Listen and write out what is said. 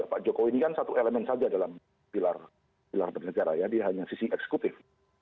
pak jokowi ini kan satu elemen saja dalam pilar bernegara ya dia hanya sisi eksekutif